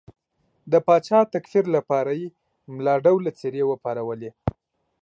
د پاچا د تکفیر لپاره یې ملا ډوله څېرې وپارولې.